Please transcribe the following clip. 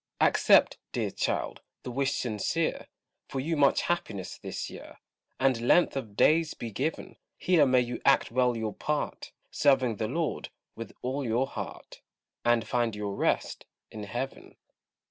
Accept, dear child, the wish sincere, For you much happiness this year, And length of days be given; Here may you act well your part, Serving the Lord with all your heart, And find your rest in heaven.